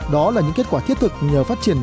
đó là những kết quả thiết thực nhờ phát triển